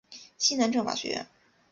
西南政法学院。